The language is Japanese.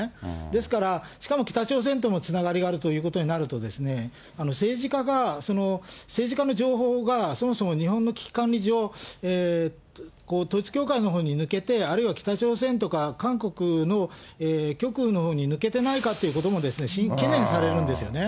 ですから、しかも北朝鮮ともつながりがあるということになると、政治家が、政治家の情報が、そもそも日本の危機管理上、統一教会のほうに抜けて、あるいは北朝鮮とか韓国の極右のほうに抜けてないかということも懸念されるんですよね。